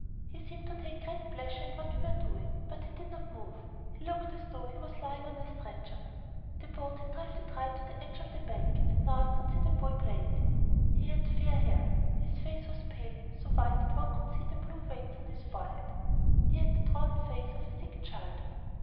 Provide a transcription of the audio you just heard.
He seemed to take great pleasure in what we were doing, but he did not move. He looked as though he was lying on a stretcher. The boat had drifted right to the edge of the bank, and now I could see the boy plainly. He had fair hair. His face was pale, so white that one could see the blue veins on his forehead. He had the drawn face of a sick child.